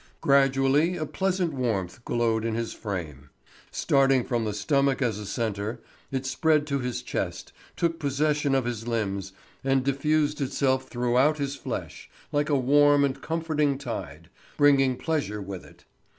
Gradually a pleasant warmth glowed in his frame. Starting from the stomach as a centre, it spread to his chest, took possession of his limbs, and diffused itself throughout his flesh, like a warm and comforting tide, bringing pleasure with it.